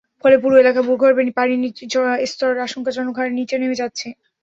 ফলে পুরো এলাকায় ভূগর্ভের পানির স্তর আশঙ্কাজনক হারে নিচে নেমে যাচ্ছে।